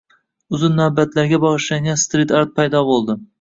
Uzun navbatlarga bagʼishlangan strit-art paydo boʼldi.